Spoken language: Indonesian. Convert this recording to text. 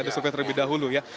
ada survei terlebih dahulu ya